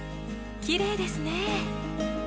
きれいですね。